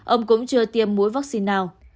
ông cũng chưa tiêm mũi vắc xin nào